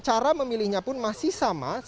cara memilihnya pun masih sama